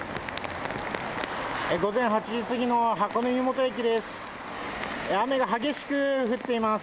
午前８時過ぎの箱根湯本駅です。